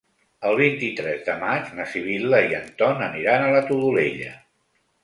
El vint-i-tres de maig na Sibil·la i en Ton aniran a la Todolella.